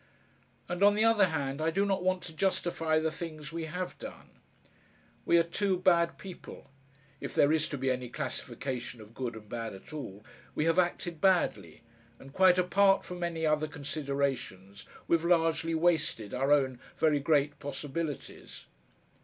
And on the other hand I do not want to justify the things we have done. We are two bad people if there is to be any classification of good and bad at all, we have acted badly, and quite apart from any other considerations we've largely wasted our own very great possibilities.